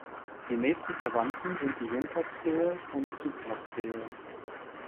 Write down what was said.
Die nächsten Verwandten sind die Juncaceae und Cyperaceae.